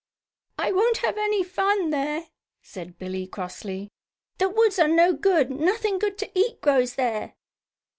"I won't have any fun there," said Billie, crossly. "The woods are no good. Nothing good to eat grows there."